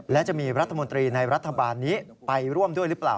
และจะมีรัฐมนตรีในรัฐบาลนี้ไปร่วมด้วยหรือเปล่า